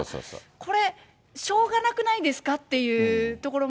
これ、しょうがなくないですかっていうところも。